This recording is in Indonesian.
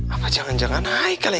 apa jangan jangan naik kali ya